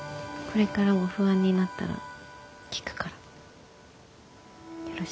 これからも不安になったら聞くからよろしく。